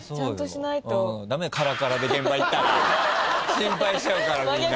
心配しちゃうからみんな。